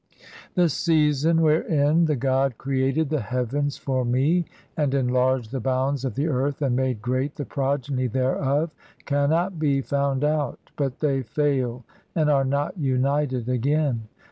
The season wherein [the "god] created the heavens for me (22) and enlarged the bounds "of the earth and made great the progeny thereof cannot be "found out ; but they fail and are not united [again].